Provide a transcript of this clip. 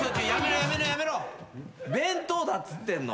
弁当だっつってんの。